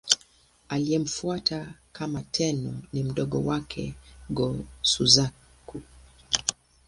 Aliyemfuata kama Tenno ni mdogo wake, Go-Suzaku.